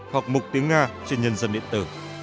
hoặc mục tiếng nga trên nhân dân điện tử